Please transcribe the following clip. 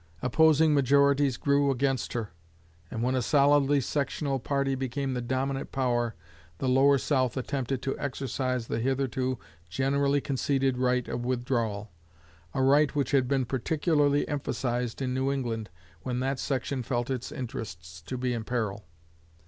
Opposing majorities grew against her. And when a solidly sectional party became the dominant power, the Lower South attempted to exercise the hitherto generally conceded right of withdrawal, a right which had been particularly emphasized in New England when that section felt its interests to be in peril.